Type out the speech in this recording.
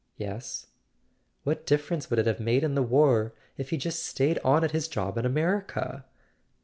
"Yes." "What difference would it have made in the war, if he'd just stayed on at his job in America?"